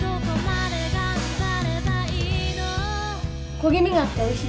焦げ目があっておいしい。